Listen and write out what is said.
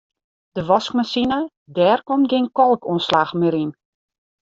De waskmasine dêr komt gjin kalkoanslach mear yn.